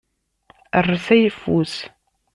Err s ayeffus.